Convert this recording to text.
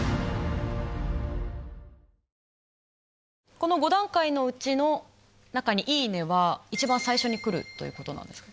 この５段階のうちの中に「いいね」は一番最初に来るということなんですか？